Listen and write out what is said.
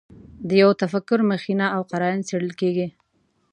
د یوه تفکر مخینه او قراین څېړل کېږي.